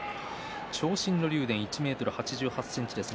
長身の竜電は１ｍ８８ｃｍです。